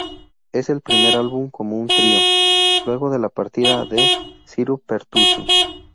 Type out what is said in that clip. Es el primer álbum como un trío, luego de la partida de Ciro Pertusi.